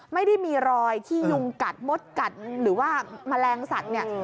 ไม่ได้มีรอยที่ยุงกัดมดกัดหรือว่ามะแรงสัตว์